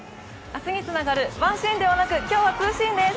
明日につながるワンシーンではなく今日はツーシーンです。